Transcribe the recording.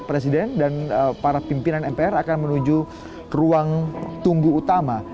presiden dan para pimpinan mpr akan menuju ke ruang tunggu utama